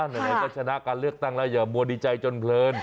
ไหนก็ชนะการเลือกตั้งแล้วอย่ามัวดีใจจนเพลิน